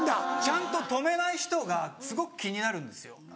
ちゃんと止めない人がすごく気になるんですよ。